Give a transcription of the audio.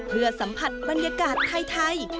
เพื่อสัมผัสบรรยากาศไทย